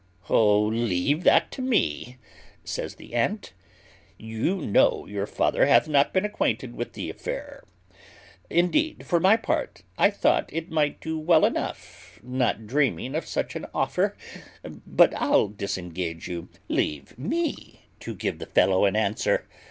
"Oh! leave that to me," says the aunt. "You know your father hath not been acquainted with the affair. Indeed, for my part I thought it might do well enough, not dreaming of such an offer; but I'll disengage you: leave me to give the fellow an answer.